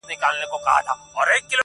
سر او بر یې ګوره مه بس ټولوه یې -